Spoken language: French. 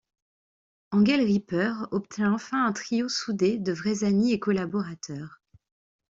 Angelripper obtient enfin un trio soudé de vrais amis et collaborateurs.